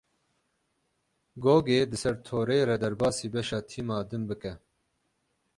Gogê di ser torê re derbasî beşa tîma din bike.